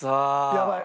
やばい。